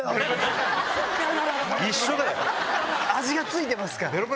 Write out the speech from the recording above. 味が付いてますから。